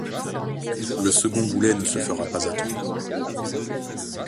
Le second boulet ne se fera pas attendre.